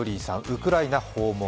ウクライナ訪問。